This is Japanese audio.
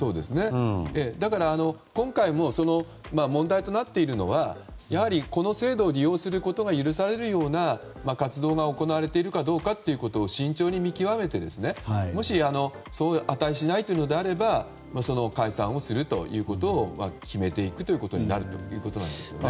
だから、今回も問題となっているのはこの制度を利用することが許されるような活動が行われているかどうかということを慎重に見極めてもし、値しないというのであれば解散をするということを決めていくことになりますね。